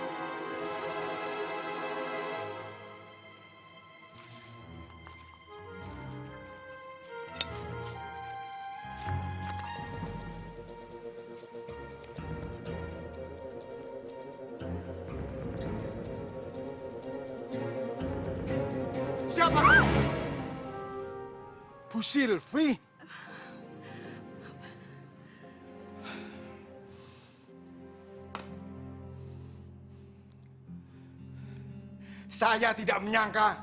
kenapa bu silvi tidak kasihan kepada pelangi